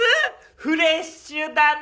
フレッシュだね。